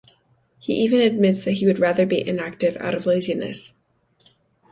He even admits that he would rather be inactive out of laziness.